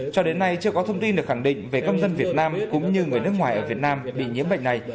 cho đến nay chưa có thông tin được khẳng định về công dân việt nam cũng như người nước ngoài ở việt nam bị nhiễm bệnh này